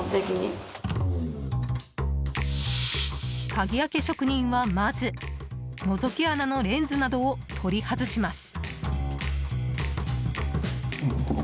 鍵開け職人は、まずのぞき穴のレンズなどを取り外します。